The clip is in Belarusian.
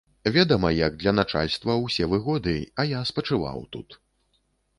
Ведама, як для начальства, усе выгоды, а я спачываў тут.